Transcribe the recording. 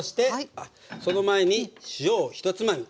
あっその前に塩を１つまみ。